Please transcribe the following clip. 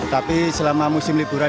tapi selama musim liburan